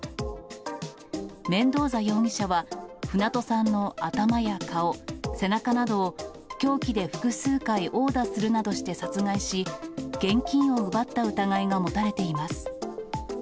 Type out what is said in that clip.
メンドーザ容疑者は、船戸さんの頭や顔、背中などを、凶器で複数回殴打するなどして殺害し、現金を奪った疑いが持たれています。